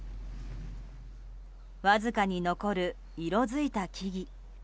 わずかに残る色づいた木々。